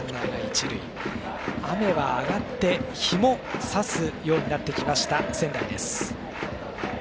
雨は上がって日もさすようになってきました仙台です。